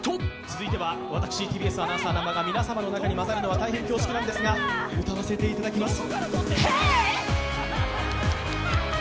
続いては私ＴＢＳアナウンサー南波が皆様の中に交ざるのは大変恐縮なんですが歌わせていただきますＨｅｙ！